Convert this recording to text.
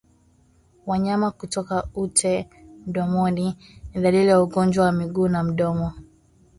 Wanyama kutoka ute mdomoni ni dalili ya ugonjwa wa miguu na mdomo